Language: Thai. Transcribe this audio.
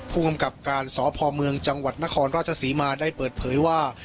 ผู้กำกับการสพเมืองจังหวัดนครราชศรีมาได้เปิดเผยว่า